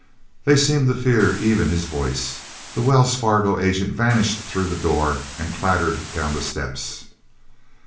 They seemed to fear even his voice. The Wells Fargo agent vanished through the door and clattered down the steps.